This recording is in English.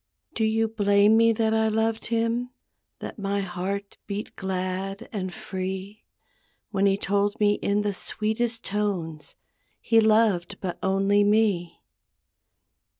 Do you blame me that I loved him, That my heart beat glad and free, When he told me in the sweetest tones He loved but only me?